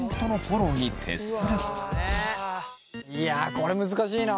いやこれ難しいな。